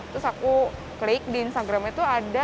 terus aku klik di instagramnya tuh ada